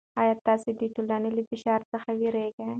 آیا تاسې د ټولنې له فشار څخه وېرېږئ؟